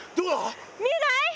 見えない？